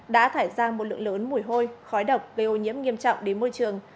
đã thải ra một lượng lớn mùi hôi khói độc gây ô nhiễm nghiêm trọng đến môi trường